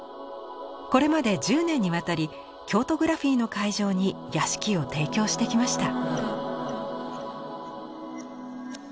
これまで１０年にわたりＫＹＯＴＯＧＲＡＰＨＩＥの会場に屋敷を提供してきました。